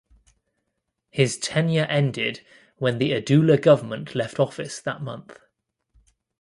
His tenure ended when the Adoula Government left office that month.